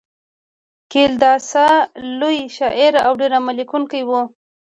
کالیداسا لوی شاعر او ډرامه لیکونکی و.